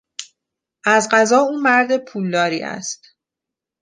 از قضا او مرد پولداری است.